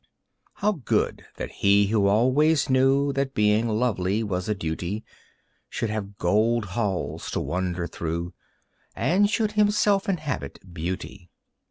How good that he who always knew That being lovely was a duty, Should have gold halls to wander through And should himself inhabit beauty.